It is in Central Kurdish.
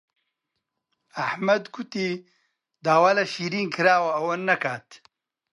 ئەحمەد گوتی داوا لە شیرین کراوە ئەوە نەکات.